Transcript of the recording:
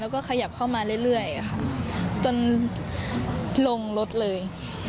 แล้วก็ขยับเข้ามาเรื่อยค่ะจนลงรถเลย